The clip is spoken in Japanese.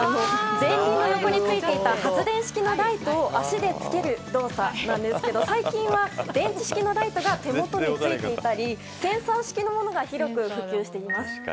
前輪の横についていた発電式のライトを足でつける動作なんですけど最近は、電池式のライトが手元についていたりセンサー式のものが広く普及しています。